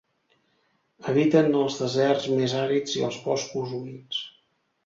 Eviten els deserts més àrids i els boscos humits.